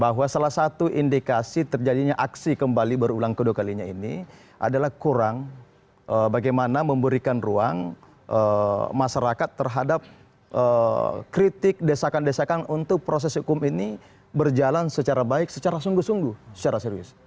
bahwa salah satu indikasi terjadinya aksi kembali berulang kedua kalinya ini adalah kurang bagaimana memberikan ruang masyarakat terhadap kritik desakan desakan untuk proses hukum ini berjalan secara baik secara sungguh sungguh secara serius